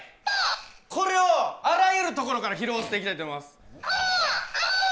これをあらゆるところから拾っていきたいと思います。